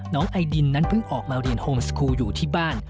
ไอดินนั้นเพิ่งออกมาเรียนโฮมสกูลอยู่ที่บ้าน